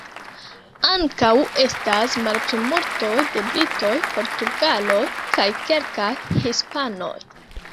Ankaŭ estas malplimultoj de britoj, portugaloj kaj kelkaj hispanoj.